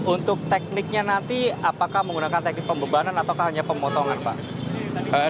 untuk tekniknya nanti apakah menggunakan teknik pembebanan atau hanya pemotongan pak